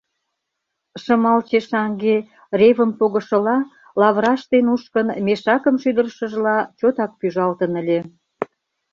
Шымалче шаҥге, ревым погышыла, лавыраште нушкын, мешакым шӱдырышыжла, чотак пӱжалтын ыле.